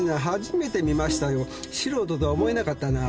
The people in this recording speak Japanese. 素人とは思えなかったなあ。